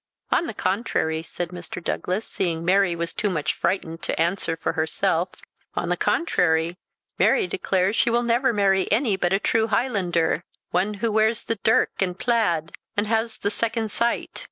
"On the contrary," said Mr. Douglas, seeing Mary was too much frightened to answer for herself "on the contrary, Mary declares she will never marry any but a true Highlander one who wears the dirk and plaid, and has the second sight.